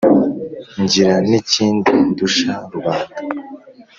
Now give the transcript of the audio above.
ngira n'ikindi ndusha rubanda :